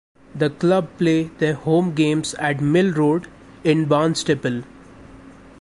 The club play their home games at Mill Road in Barnstaple.